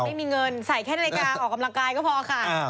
ไม่มีเงินใส่แค่นาฬิกาออกกำลังกายก็พอค่ะ